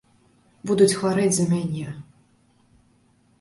Будуць хварэць за мяне.